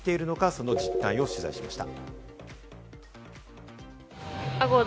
その実態を取材しました。